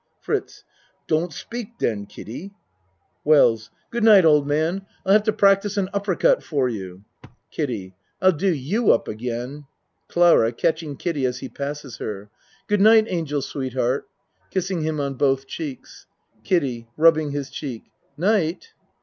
FRITZ Don't speak den, Kiddie. WELLS Good night old man I'll have to prac tice an uppercut for you. KIDDIE I'll do you up again. CLARA (Catching Kiddie as he passes her.) Good night, angel sweetheart. (Kissing him on both cheeks.) KIDDIE (Rubbing his cheek). Night.